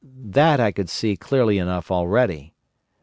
That I could see clearly enough already.